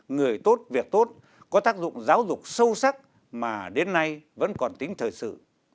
người tốt việc tốt có tác dụng giáo dục sâu sắc mà đến nay vẫn còn tính thời sự